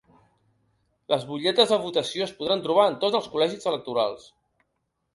Les butlletes de votació es podran trobar en tots els col·legis electorals.